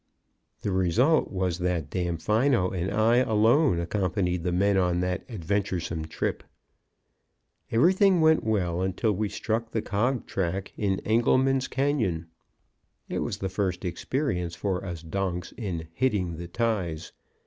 The result was that Damfino and I alone accompanied the men on that adventuresome trip. Everything went well until we struck the cog track in Engleman's Canyon. It was the first experience for us donks in "hitting the ties."